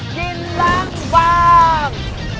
ดินล้างวาล์ม